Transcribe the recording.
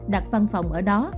đặt văn phòng ở đó